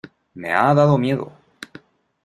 me ha dado miedo.